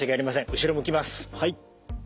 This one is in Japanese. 後ろ向きます。